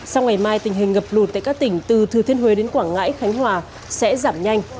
sau ngày mai tình hình ngập lụt tại các tỉnh từ thừa thiên huế đến quảng ngãi khánh hòa sẽ giảm nhanh